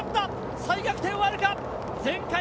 再逆転はあるか？